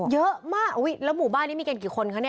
เยอะมากแล้วหมู่บ้านนี้มีกันกี่คนคะเนี่ย